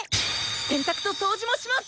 洗濯と掃除もします！